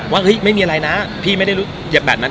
ว่าไม่มีอะไรนะพี่ไม่ได้รู้อย่าแบบนั้น